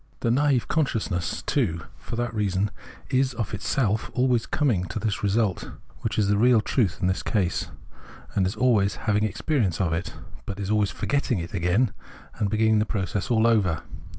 The naive consciousness, too, for that reason, is of itself always coming to this result, which is the real truth in this case, and is always having experience of it : but is always forgetting it again and beginning the process all over.